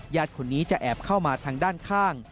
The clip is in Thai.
คนนี้จะแอบเข้ามาทางด้านข้าง